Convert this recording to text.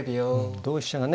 同飛車がね